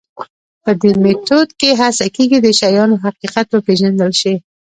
په دې میتود کې هڅه کېږي د شیانو حقیقت وپېژندل شي.